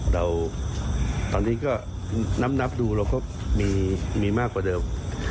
เราตอนนี้ก็นับดูเราก็มีมากกว่าเดิม